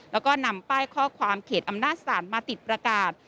แล้วก็นำป้ายข้อความเขตอำนาจศาลมาติดประกาศ